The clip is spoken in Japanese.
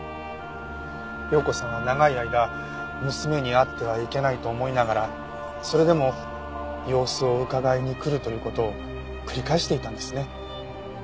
葉子さんは長い間娘に会ってはいけないと思いながらそれでも様子をうかがいにくるという事を繰り返していたんですね。